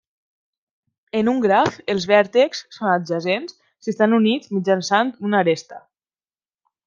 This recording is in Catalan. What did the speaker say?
En un graf, els vèrtexs són adjacents si estan units mitjançant una aresta.